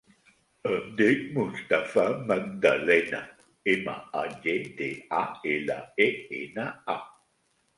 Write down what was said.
Em dic Mustafa Magdalena: ema, a, ge, de, a, ela, e, ena, a.